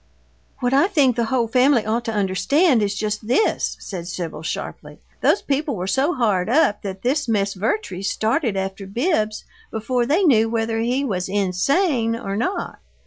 "What I think the whole family ought to understand is just this," said Sibyl, sharply. "Those people were so hard up that this Miss Vertrees started after Bibbs before they knew whether he was INSANE or not!